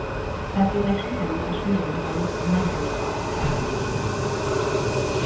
Patricknek sikerült a süllyedő hajót egy mentőcsónakon elhagynia.